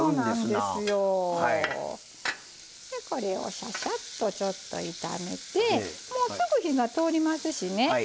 でこれをシャシャッとちょっと炒めてもうすぐ火が通りますしね